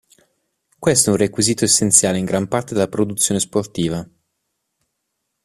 Questo è un requisito essenziale in gran parte della produzione sportiva.